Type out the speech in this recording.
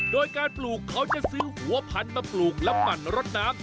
ด้วยการปลูกเขาจะซื้อหัวพันมาปลูกลำหมั่นรดน้ำ